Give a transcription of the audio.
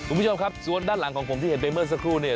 คุณผู้ชมครับส่วนด้านหลังของผมที่เห็นไปเมื่อสักครู่เนี่ย